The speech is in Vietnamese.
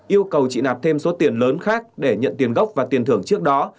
yêu cầu chị nạp thêm số tiền lớn khác để nhận tiền gốc và tiền thưởng trước đó